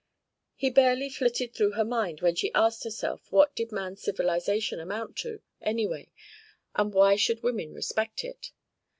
He barely flitted through her mind when she asked herself what did man's civilisation amount to, anyway, and why should women respect it?